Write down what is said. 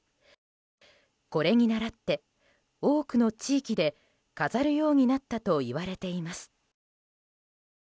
これにならって、多くの地域で飾るようになったといわれています。